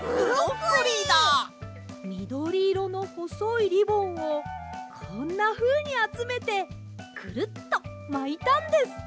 みどりいろのほそいリボンをこんなふうにあつめてクルッとまいたんです。